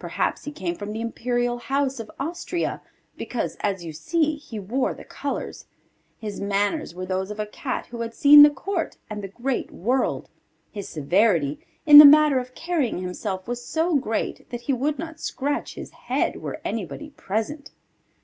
Perhaps he came from the imperial house of Austria, because, as you see, he wore the colours. His manners were those of a Cat who had seen the court and the great world. His severity, in the matter of carrying himself, was so great that he would not scratch his head were anybody present.